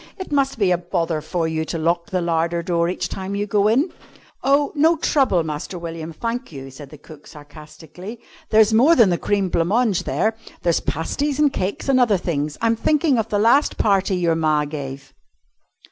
"It must be a bother for you to lock the larder door each time you go in?" "Oh, no trouble, Master William, thank you," said cook sarcastically; "there's more than the cream blanc mange there; there's pasties and cakes and other things. I'm thinking of the last party your ma gave!"